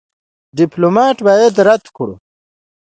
ډيپلومات بايد درک ولري.